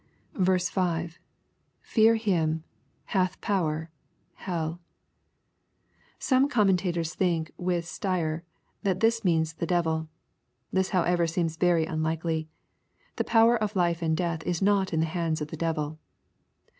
5. — [Fear him..,hath power...heU.] Some commentators think with Stier, that this means the devil. This however seems very un likely. The power of life and death is not in the hands of the devil.